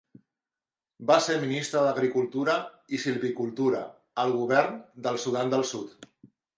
Va ser ministre d'Agricultura i Silvicultura de Govern del Sudan del Sud.